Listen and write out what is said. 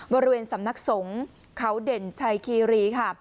บริเวณสำนักสงฆ์เขาเด่นชัยคีรีค่ะ